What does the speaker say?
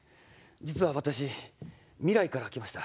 実は私未来から来ました！